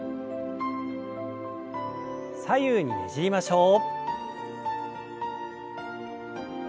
左右にねじりましょう。